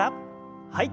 はい。